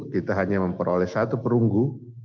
kita hanya memperoleh satu perunggu